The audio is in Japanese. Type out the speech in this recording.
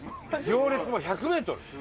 行列も１００ｍ。